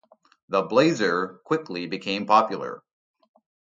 The Blazer quickly became popular.